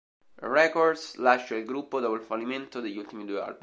Records lascia il gruppo dopo il fallimento degli ultimi due album.